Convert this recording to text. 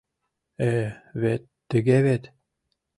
Э, вет, тыге вет